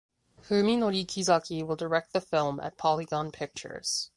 Fuminori Kizaki will direct the film at Polygon Pictures.